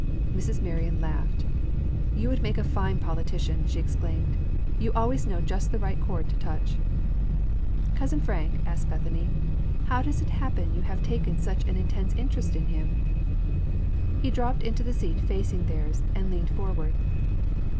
Mrs. Marion laughed. "You would make a fine politician," she exclaimed. "You always know just the right chord to touch." "Cousin Frank," asked Bethany, "how does it happen you have taken such an intense interest in him?" He dropped into the seat facing theirs, and leaned forward.